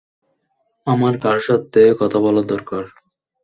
আমার কারো সাথে কথা বলা দরকার!